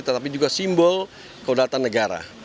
tetapi juga simbol keulatan negara